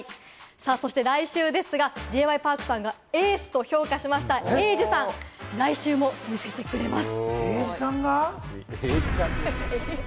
そして来週ですが、Ｊ．Ｙ．Ｐａｒｋさんがエースと評価しました、瑛史さん、来週も見せてくれます。